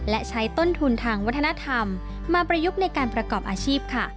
และใช้ต้นทุนทางวัฒนธรรมมาประยุกต์ในการประกอบอาชีพค่ะ